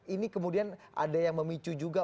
ini kemudian ada yang memicu juga